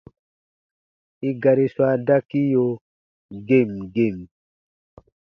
I gari swa dakiyo gem gem.